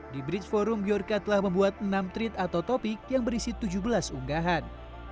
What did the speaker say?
di bridge forum biorca telah membuat enam treat atau topik yang berisi tujuh belas unggahan